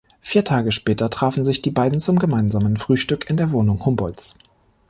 Vier Tage später trafen sich die beiden zum gemeinsamen Frühstück in der Wohnung Humboldts.